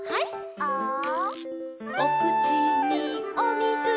「ア」「おくちにおみず」